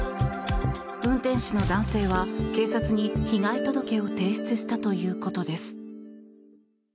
運転手の男性は、警察に被害届を提出したということです。